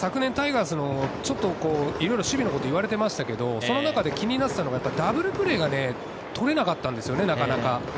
昨年タイガースの守備のこと、いろいろ言われてましたけど、その中で気になってたのは、ダブルプレーは捕れなかったんですよね、なかなか。